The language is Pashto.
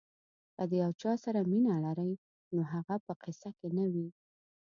که د یو چا سره مینه لرئ خو هغه په قصه کې نه وي.